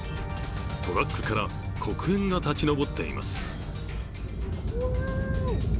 トラックから黒煙が立ち上っています。